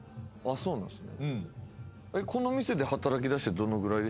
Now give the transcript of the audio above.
そうなんすね。